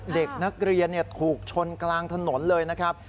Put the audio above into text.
เด็กนักเรียนถูกชนกลางถนนเลยนะครับ